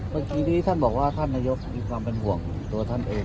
เมื่อกี้ที่ท่านบอกว่าท่านนายกมีความเป็นห่วงตัวท่านเอง